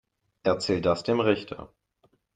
Erzähl das dem Richter.